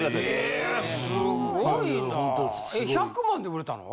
え１００万で売れたの？